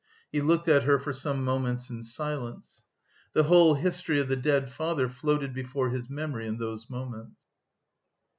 He looked at her for some moments in silence. The whole history of the dead father floated before his memory in those moments....